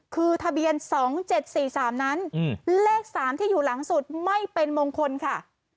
คือทะเบียน๒๗๔๓นั้นเลข๓ที่อยู่หลังสุดไม่เป็นมงคลค่ะ